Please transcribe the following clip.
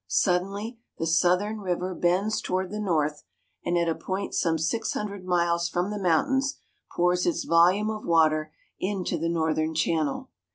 Suddenly the southern river bends towards the north, and, at a point some six hundred miles from the mountains, pours its volume of water into the northern channel.